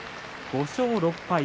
５勝６敗。